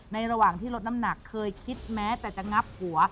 ระหว่างที่ลดน้ำหนักเคยคิดแม้แต่จะงับหัว